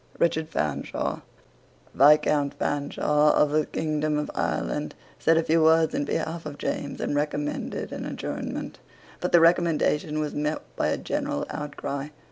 Richard Fanshaw, Viscount Fanshaw of the kingdom of Ireland, said a few words in behalf of James, and recommended an adjournment: but the recommendation was met by a general outcry.